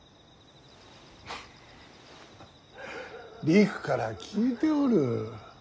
りくから聞いておる。